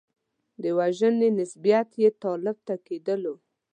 د وژنې نسبیت یې طالب ته کېدلو.